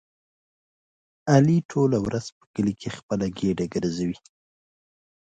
علي ټوله ورځ په کلي خپله ګېډه ګرځوي.